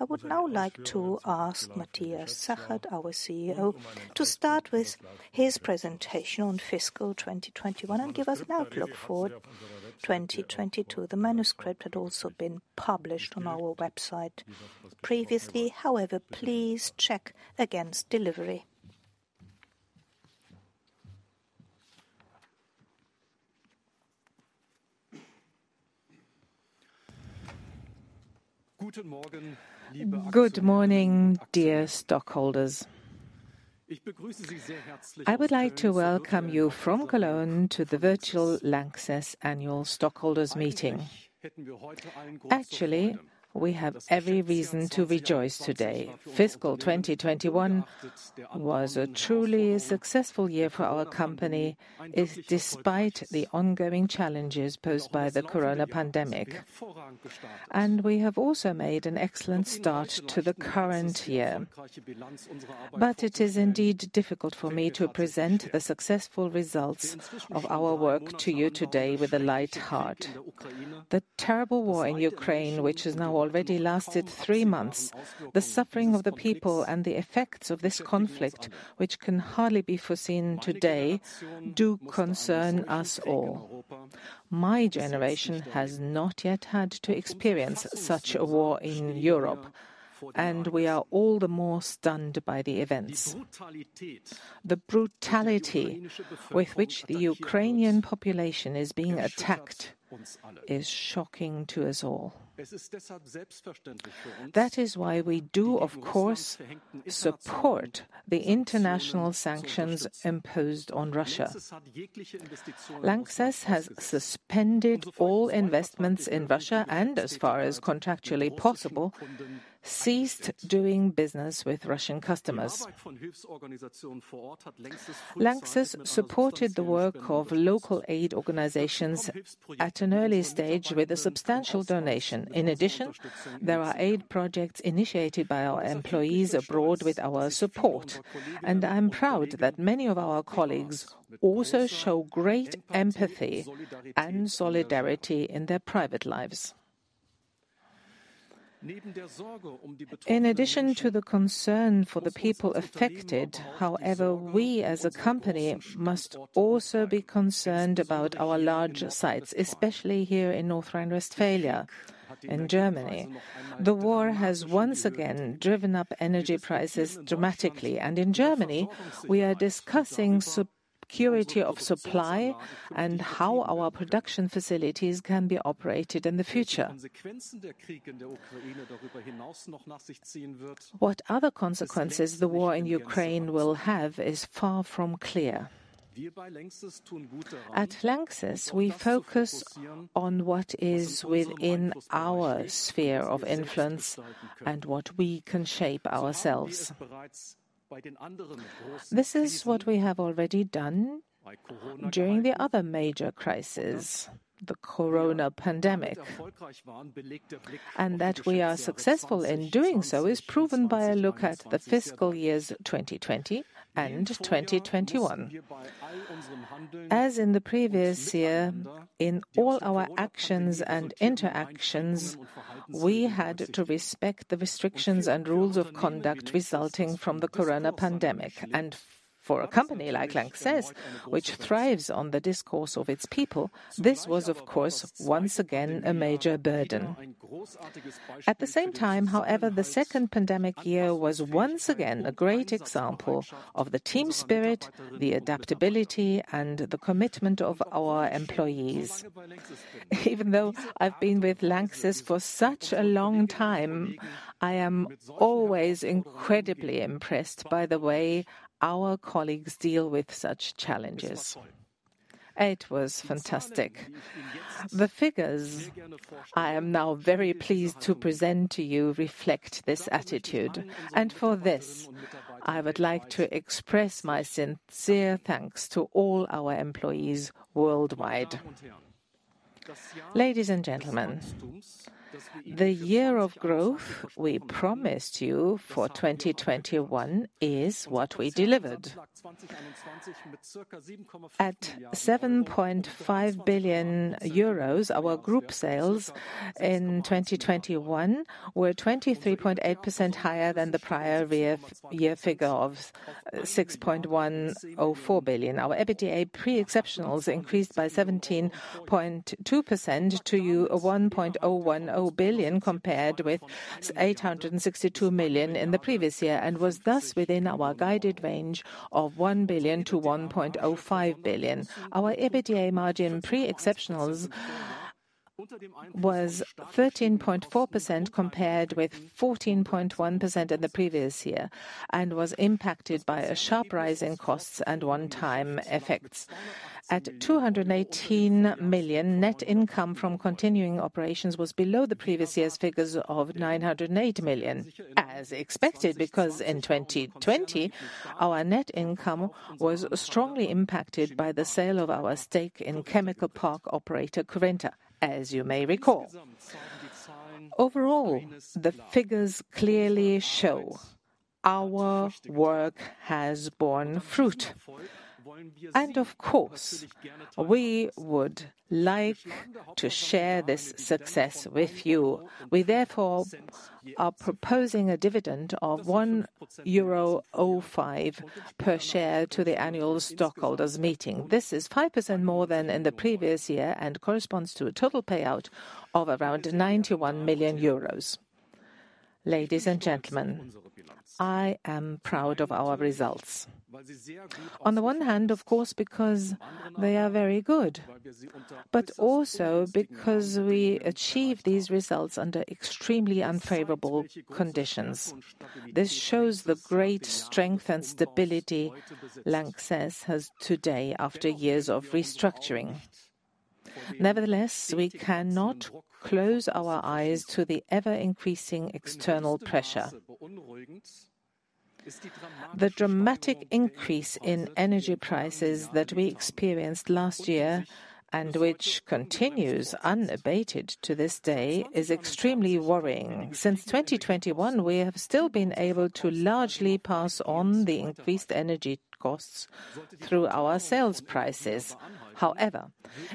I would now like to ask Matthias Zachert, our CEO, to start with his presentation on fiscal 2021 and give us an outlook for 2022. The manuscript had also been published on our website previously. However, please check against delivery. Good morning, dear stockholders. I would like to welcome you from Cologne to the virtual LANXESS annual stockholders meeting. Actually, we have every reason to rejoice today. Fiscal 2021 was a truly successful year for our company, despite the ongoing challenges posed by the corona pandemic. We have also made an excellent start to the current year. It is indeed difficult for me to present the successful results of our work to you today with a light heart. The terrible war in Ukraine, which has now already lasted three months, the suffering of the people and the effects of this conflict, which can hardly be foreseen today, do concern us all. My generation has not yet had to experience such a war in Europe, and we are all the more stunned by the events. The brutality with which the Ukrainian population is being attacked is shocking to us all. That is why we do, of course, support the international sanctions imposed on Russia. LANXESS has suspended all investments in Russia and, as far as contractually possible, ceased doing business with Russian customers. LANXESS supported the work of local aid organizations at an early stage with a substantial donation. In addition, there are aid projects initiated by our employees abroad with our support, and I am proud that many of our colleagues also show great empathy and solidarity in their private lives. In addition to the concern for the people affected, however, we as a company must also be concerned about our larger sites, especially here in North Rhine-Westphalia in Germany. The war has once again driven up energy prices dramatically, and in Germany we are discussing security of supply and how our production facilities can be operated in the future. What other consequences the war in Ukraine will have is far from clear. At LANXESS, we focus on what is within our sphere of influence and what we can shape ourselves. This is what we have already done during the other major crisis, the corona pandemic. That we are successful in doing so is proven by a look at the fiscal years 2020 and 2021. As in the previous year, in all our actions and interactions, we had to respect the restrictions and rules of conduct resulting from the corona pandemic. For a company like LANXESS, which thrives on the discourse of its people, this was of course, once again, a major burden. At the same time, however, the second pandemic year was once again a great example of the team spirit, the adaptability, and the commitment of our employees. Even though I've been with LANXESS for such a long time, I am always incredibly impressed by the way our colleagues deal with such challenges. It was fantastic. The figures I am now very pleased to present to you reflect this attitude, and for this I would like to express my sincere thanks to all our employees worldwide. Ladies and gentlemen, the year of growth we promised you for 2021 is what we delivered. At 7.5 billion euros, our group sales in 2021 were 23.8% higher than the prior year figure of 6.104 billion. Our EBITDA pre exceptionals increased by 17.2% to 1.010 billion, compared with 862 million in the previous year and was thus within our guided range of 1 billion-1.05 billion. Our EBITDA margin pre exceptionals was 13.4% compared with 14.1% in the previous year and was impacted by a sharp rise in costs and one-time effects. At 218 million, net income from continuing operations was below the previous year's figures of 908 million, as expected, because in 2020 our net income was strongly impacted by the sale of our stake in chemical park operator Currenta, as you may recall. Overall, the figures clearly show. Our work has borne fruit. Of course, we would like to share this success with you. We therefore are proposing a dividend of 1.05 euro per share to the annual stockholders meeting. This is 5% more than in the previous year and corresponds to a total payout of around 91 million euros. Ladies and gentlemen, I am proud of our results. On the one hand, of course, because they are very good, but also because we achieve these results under extremely unfavorable conditions. This shows the great strength and stability LANXESS has today after years of restructuring. Nevertheless, we cannot close our eyes to the ever-increasing external pressure. The dramatic increase in energy prices that we experienced last year, and which continues unabated to this day, is extremely worrying. Since 2021, we have still been able to largely pass on the increased energy costs through our sales prices. However,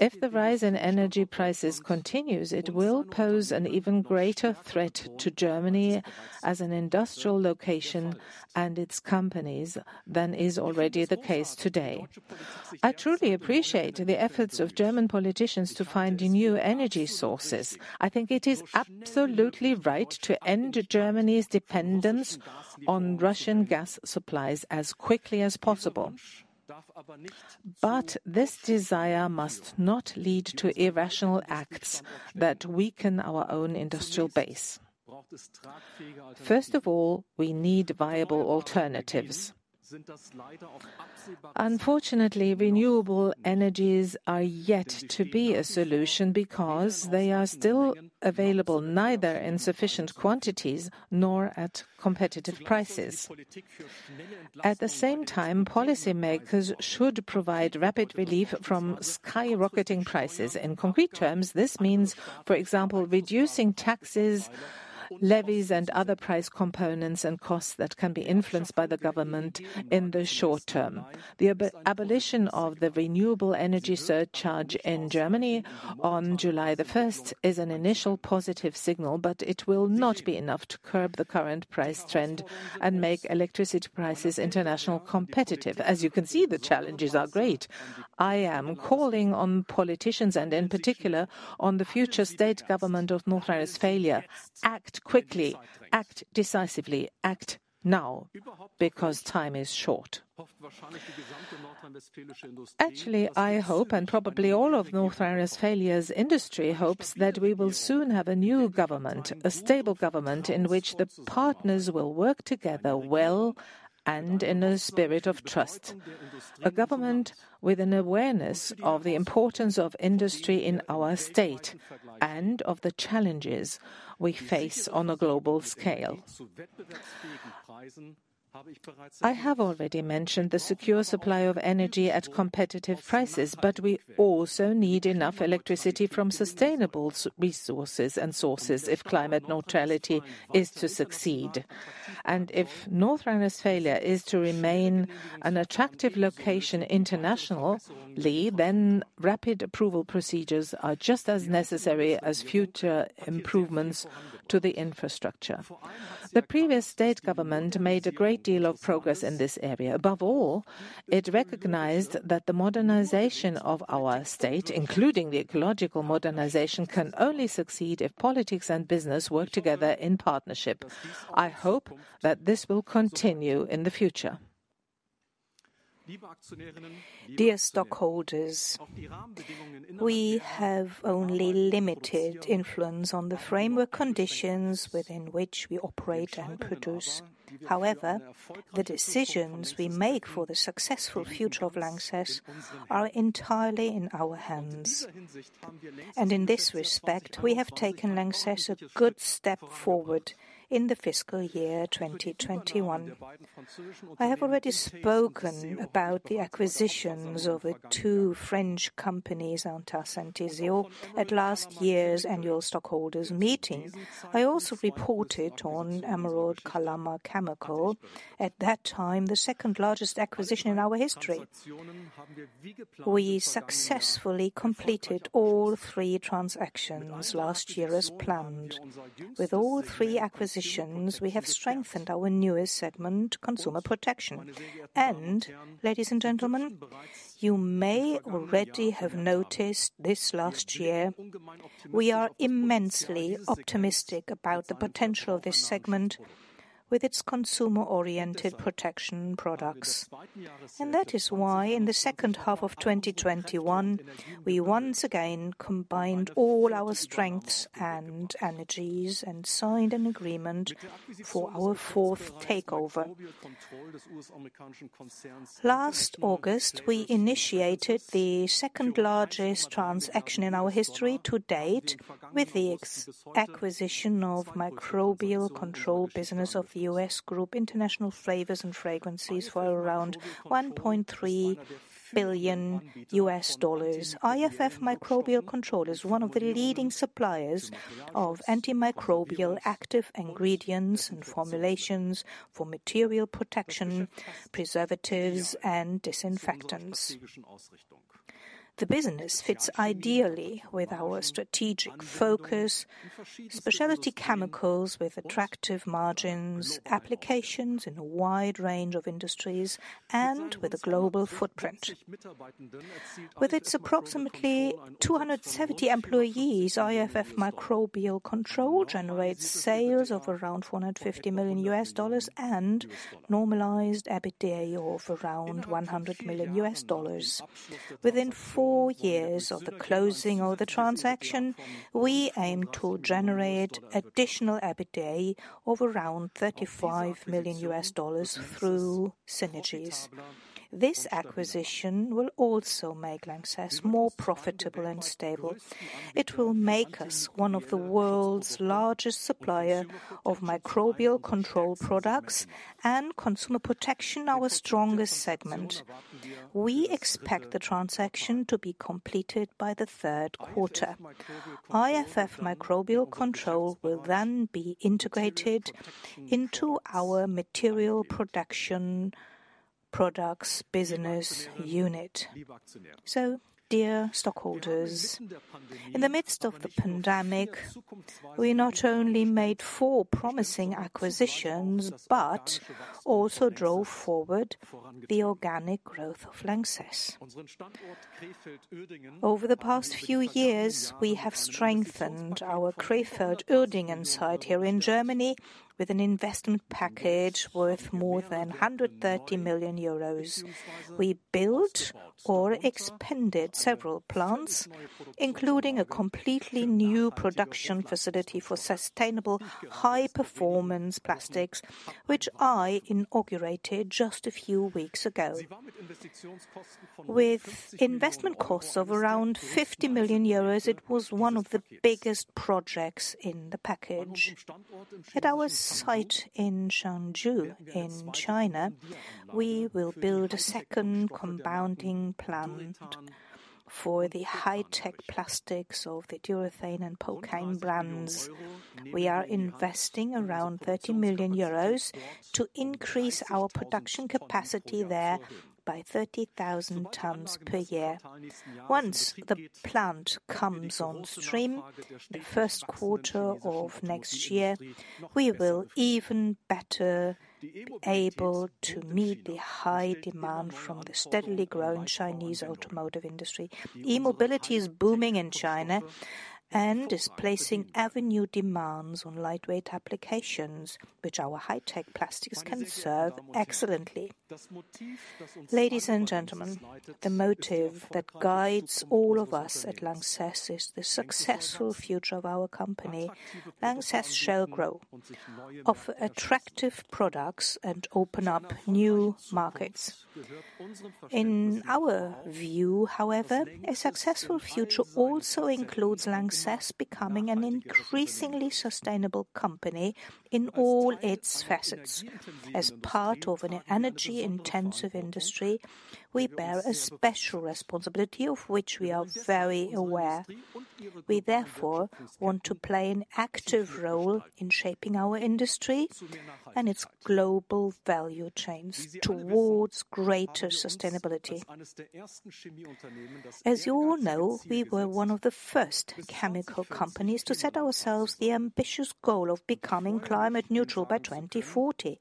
if the rise in energy prices continues, it will pose an even greater threat to Germany as an industrial location and its companies than is already the case today. I truly appreciate the efforts of German politicians to find new energy sources. I think it is absolutely right to end Germany's dependence on Russian gas supplies as quickly as possible. This desire must not lead to irrational acts that weaken our own industrial base. First of all, we need viable alternatives. Unfortunately, renewable energies are yet to be a solution because they are still available neither in sufficient quantities nor at competitive prices. At the same time, policymakers should provide rapid relief from skyrocketing prices. In concrete terms, this means, for example, reducing taxes, levies, and other price components and costs that can be influenced by the government in the short term. The abolition of the renewable energy surcharge in Germany on July 1st is an initial positive signal, but it will not be enough to curb the current price trend and make electricity prices internationally competitive. As you can see, the challenges are great. I am calling on politicians and, in particular, on the future state government of North Rhine-Westphalia, act quickly, act decisively, act now because time is short. Actually, I hope, and probably all of North Rhine-Westphalia's industry hopes, that we will soon have a new government, a stable government in which the partners will work together well and in a spirit of trust. A government with an awareness of the importance of industry in our state and of the challenges we face on a global scale. I have already mentioned the secure supply of energy at competitive prices, but we also need enough electricity from sustainable resources and sources if climate neutrality is to succeed. If North Rhine-Westphalia is to remain an attractive location internationally, then rapid approval procedures are just as necessary as future improvements to the infrastructure. The previous state government made a great deal of progress in this area. Above all, it recognized that the modernization of our state, including the ecological modernization, can only succeed if politics and business work together in partnership. I hope that this will continue in the future. Dear stockholders, we have only limited influence on the framework conditions within which we operate and produce. However, the decisions we make for the successful future of LANXESS are entirely in our hands. In this respect, we have taken LANXESS a good step forward in the fiscal year 2021. I have already spoken about the acquisitions of the two French companies, Teyssié and Theseo, at last year's annual stockholders meeting. I also reported on Emerald Kalama Chemical, at that time, the second-largest acquisition in our history. We successfully completed all three transactions last year as planned. With all three acquisitions, we have strengthened our newest segment, Consumer Protection. Ladies and gentlemen, you may already have noticed this last year, we are immensely optimistic about the potential of this segment with its consumer-oriented protection products. That is why in the second half of 2021, we once again combined all our strengths and energies and signed an agreement for our fourth takeover. Last August, we initiated the second-largest transaction in our history to date with the acquisition of microbial control business of the U.S. group, International Flavors & Fragrances, for around $1.3 billion. IFF Microbial Control is one of the leading suppliers of antimicrobial active ingredients and formulations for material protection, preservatives, and disinfectants. The business fits ideally with our strategic focus, specialty chemicals with attractive margins, applications in a wide range of industries, and with a global footprint. With its approximately 270 employees, IFF Microbial Control generates sales of around $450 million and normalized EBITDA of around $100 million. Within four years of the closing of the transaction, we aim to generate additional EBITDA of around $35 million through synergies. This acquisition will also make LANXESS more profitable and stable. It will make us one of the world's largest supplier of microbial control products and consumer protection, our strongest segment. We expect the transaction to be completed by the third quarter. IFF Microbial Control will then be integrated into our Material Protection Products business unit. Dear stockholders, in the midst of the pandemic, we not only made four promising acquisitions, but also drove forward the organic growth of LANXESS. Over the past few years, we have strengthened our Krefeld-Uerdingen site here in Germany with an investment package worth more than 130 million euros. We built or expanded several plants, including a completely new production facility for sustainable high-performance plastics, which I inaugurated just a few weeks ago. With investment costs of around 50 million euros, it was one of the biggest projects in the package. At our site in Changzhou in China, we will build a second compounding plant for the high-tech plastics of the Durethan and Pocan brands. We are investing around 30 million euros to increase our production capacity there by 30,000 tons per year. Once the plant comes on stream in the first quarter of next year, we will even better be able to meet the high demand from the steadily growing Chinese automotive industry. E-mobility is booming in China and is placing ever new demands on lightweight applications, which our high-tech plastics can serve excellently. Ladies and gentlemen, the motive that guides all of us at LANXESS is the successful future of our company. LANXESS shall grow, offer attractive products, and open up new markets. In our view, however, a successful future also includes LANXESS becoming an increasingly sustainable company in all its facets. As part of an energy-intensive industry, we bear a special responsibility, of which we are very aware. We therefore want to play an active role in shaping our industry and its global value chains towards greater sustainability. As you all know, we were one of the first chemical companies to set ourselves the ambitious goal of becoming climate neutral by 2040,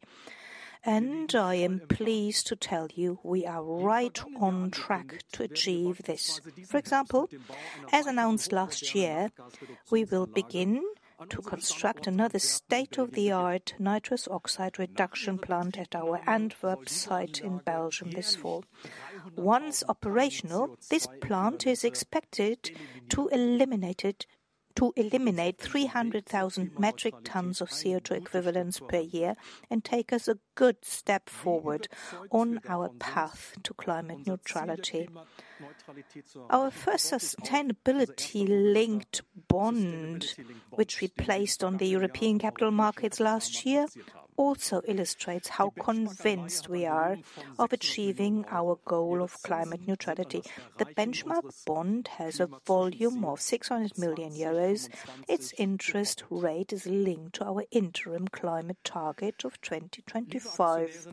and I am pleased to tell you we are right on track to achieve this. For example, as announced last year, we will begin to construct another state-of-the-art nitrous oxide reduction plant at our Antwerp site in Belgium this fall. Once operational, this plant is expected to eliminate 300,000 metric tons of CO2 equivalents per year and take us a good step forward on our path to climate neutrality. Our first sustainability-linked bond, which we placed on the European capital markets last year, also illustrates how convinced we are of achieving our goal of climate neutrality. The benchmark bond has a volume of 600 million euros. Its interest rate is linked to our interim climate target of 2025.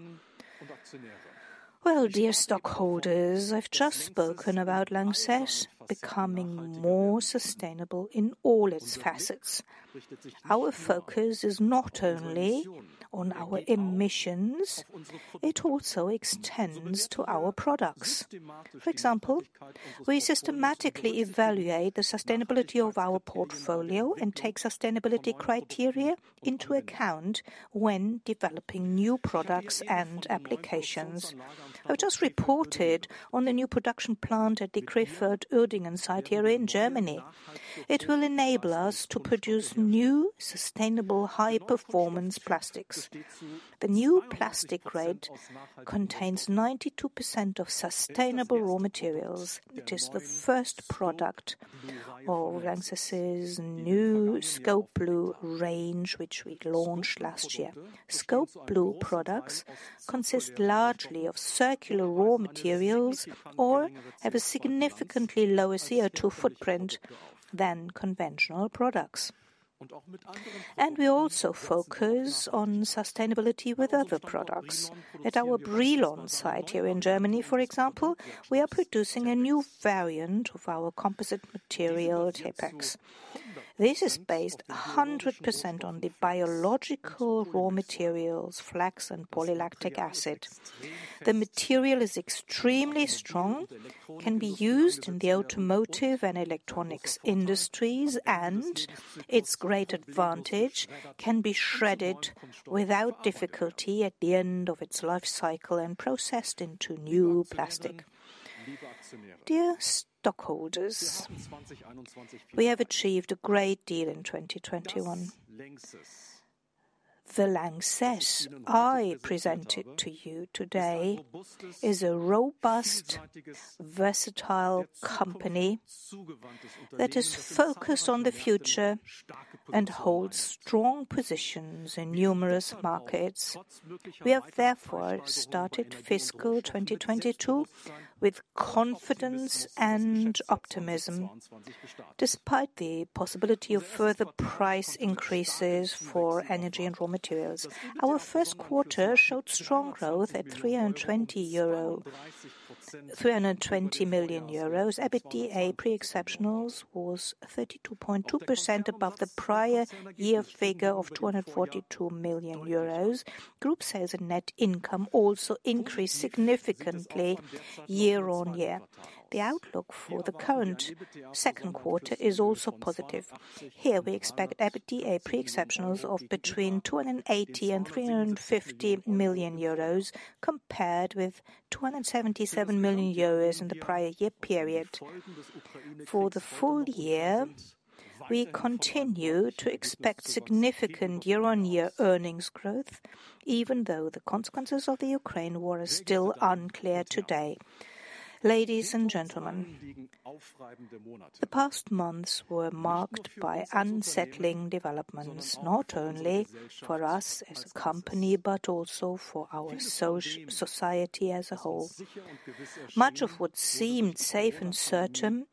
Well, dear stockholders, I've just spoken about LANXESS becoming more sustainable in all its facets. Our focus is not only on our emissions, it also extends to our products. For example, we systematically evaluate the sustainability of our portfolio and take sustainability criteria into account when developing new products and applications. I just reported on the new production plant at the Krefeld-Uerdingen site here in Germany. It will enable us to produce new sustainable high performance plastics. The new plastic grade contains 92% of sustainable raw materials. It is the first product of LANXESS's new Scopeblue range, which we launched last year. Scopeblue products consist largely of circular raw materials or have a significantly lower CO2 footprint than conventional products. We also focus on sustainability with other products. At our Brilon site here in Germany, for example, we are producing a new variant of our composite material, Tepex. This is based 100% on the biological raw materials, flax and polylactic acid. The material is extremely strong, can be used in the automotive and electronics industries, and its great advantage can be shredded without difficulty at the end of its life cycle and processed into new plastic. Dear stockholders, we have achieved a great deal in 2021. The LANXESS I presented to you today is a robust, versatile company that is focused on the future and holds strong positions in numerous markets. We have therefore started fiscal 2022 with confidence and optimism, despite the possibility of further price increases for energy and raw materials. Our first quarter showed strong growth at 320 million euro. EBITDA pre exceptionals was 32.2% above the prior-year figure of 242 million euros. Group sales and net income also increased significantly year-on-year. The outlook for the current second quarter is also positive. Here we expect EBITDA pre exceptionals of between 280 million and 350 million euros compared with 277 million euros in the prior-year period. For the full year, we continue to expect significant year-on-year earnings growth, even though the consequences of the Ukraine War are still unclear today. Ladies and gentlemen, the past months were marked by unsettling developments, not only for us as a company, but also for our society as a whole. Much of what seemed safe and certain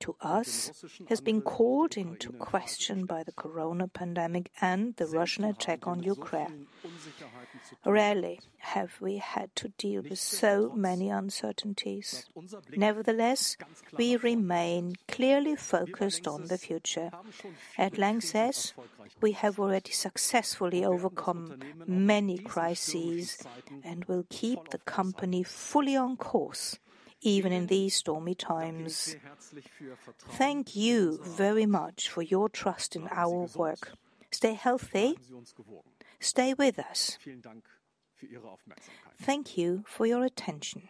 to us has been called into question by the corona pandemic and the Russian attack on Ukraine. Rarely have we had to deal with so many uncertainties. Nevertheless, we remain clearly focused on the future. At LANXESS, we have already successfully overcome many crises and will keep the company fully on course even in these stormy times. Thank you very much for your trust in our work. Stay healthy. Stay with us. Thank you for your attention.